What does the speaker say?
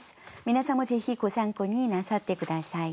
皆さんもぜひご参考になさって下さい。